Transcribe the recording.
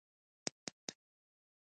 ښوونځی مو متمدنوي